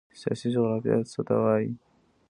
سیاسي جغرافیه څه ته وایي؟